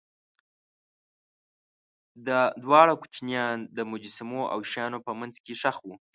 دواړه کوچنیان د مجسمو او شیانو په منځ کې ښخ وو.